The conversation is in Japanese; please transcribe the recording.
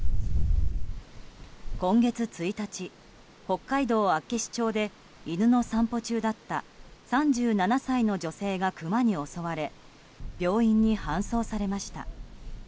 今月１日、北海道厚岸町で犬の散歩中だった３７歳の女性がクマに襲われ病院に搬送されました。